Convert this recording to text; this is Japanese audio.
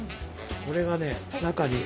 これがね中に。